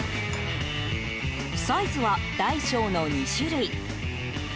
サイズは大・小の２種類。